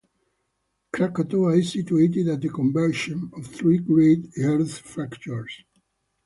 Krakatoa is situated at the convergence of three great earth fractures.